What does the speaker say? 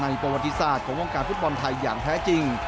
ประวัติศาสตร์ของวงการฟุตบอลไทยอย่างแท้จริง